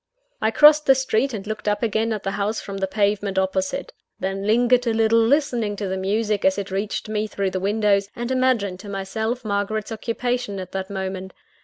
I crossed the street, and looked up again at the house from the pavement opposite. Then lingered a little, listening to the music as it reached me through the windows, and imagining to myself Margaret's occupation at that moment.